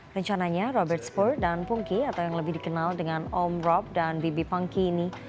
rencananya robert spur dan punky atau yang lebih dikenal dengan om rob dan bibi punky ini